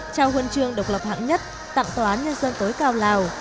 trao huân trường độc lập hạng nhất tặng tòa án nhân dân tối cao lào